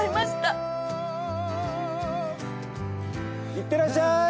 いってらっしゃい。